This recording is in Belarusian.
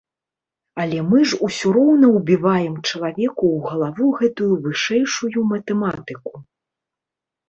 Але мы ж усё роўна ўбіваем чалавеку ў галаву гэтую вышэйшую матэматыку.